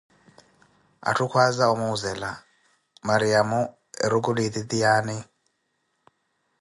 Atthu kwaaza o muzela, erukulu eti Mariyamo tiaani ?